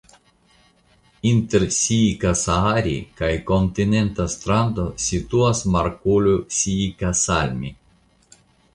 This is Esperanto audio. Inter Siikasaari kaj kontinenta strando situas markolo Siikasalmi.